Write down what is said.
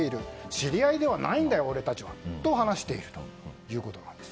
知り合いではないんだ、俺たちはと話しているということです。